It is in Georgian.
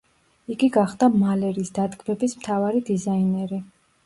იგი გახდა მალერის დადგმების მთავარი დიზაინერი.